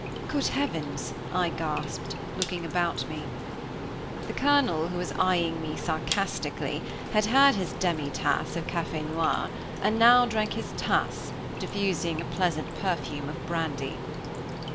"Good heavens!" I gasped, looking about me. The Colonel, who was eyeing me sarcastically, had had his demitasse of café noir, and now drank his tasse, diffusing a pleasant perfume of brandy.